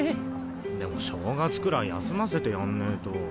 でも正月くらい休ませてやんねぇと。